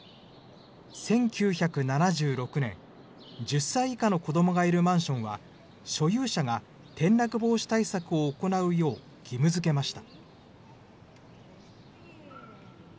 １９７６年、１０歳以下の子どもがいるマンションは、所有者が転落防止対策を行うよう義務づけました。